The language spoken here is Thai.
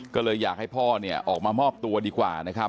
ก็เลยอยากให้พ่อเนี่ยออกมามอบตัวดีกว่านะครับ